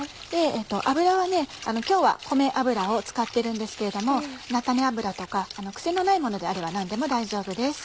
油は今日は米油を使ってるんですけれども菜種油とかクセのないものであれば何でも大丈夫です。